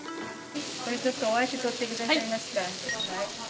これちょっとお箸取ってくださいますか。